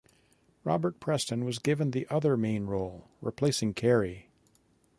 Robert Preston was given the other main role - replacing Carey.